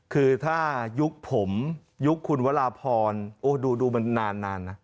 คือถ้ายุคผมยุคคุณวราพรโอ้ดูมันนานนะ